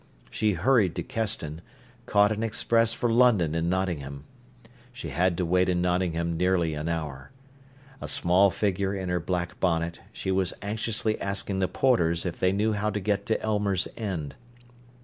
She hurried to Keston, caught an express for London in Nottingham. She had to wait in Nottingham nearly an hour. A small figure in her black bonnet, she was anxiously asking the porters if they knew how to get to Elmers End.